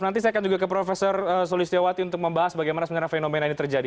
nanti saya akan juga ke prof sulistiawati untuk membahas bagaimana sebenarnya fenomena ini terjadi